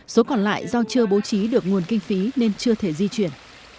số còn lại do chưa bố trí được nguồn kinh phí nên chưa thể di chuyển